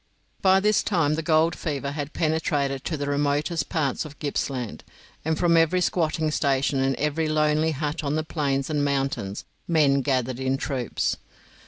By this time the gold fever had penetrated to the remotest parts of Gippsland, and from every squatting station and every lonely hut on the plains and mountains men gathered in troops.